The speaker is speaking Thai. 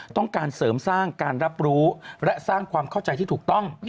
ต้องการเสริมสร้างการรับรู้และสร้างความเข้าใจที่ถูกต้อง